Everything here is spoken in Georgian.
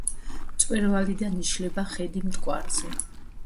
მწვერვალიდან იშლება ხედი მტკვარზე.